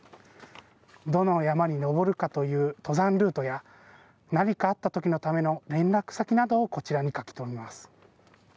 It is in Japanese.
どの山に登るかという登山ルートや、何かあったときのための連絡先などをこちらに書き込みます。